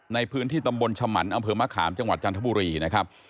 ในพื้นที่ตำบลชมันอำเภอมะขามจังหวัดจันทบุรีนะครับ